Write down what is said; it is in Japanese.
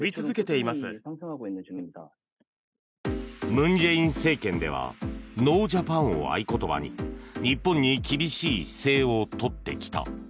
文在寅政権ではノージャパンを合言葉に日本に厳しい姿勢を取ってきた。